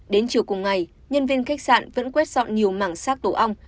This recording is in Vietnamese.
đến chiều cùng ngày nhân viên khách sạn vẫn quét dọn nhiều mảng xác tổ ong